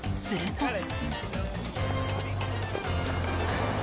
すると。